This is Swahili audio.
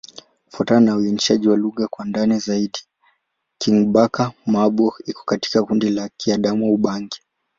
Kufuatana na uainishaji wa lugha kwa ndani zaidi, Kingbaka-Ma'bo iko katika kundi la Kiadamawa-Ubangi.